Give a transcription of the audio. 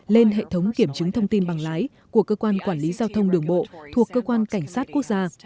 lên hệ thống kiểm chứng thông tin bằng lái của cơ quan quản lý giao thông đường bộ thuộc cơ quan cảnh sát quốc gia